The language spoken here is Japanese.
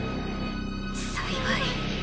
幸い。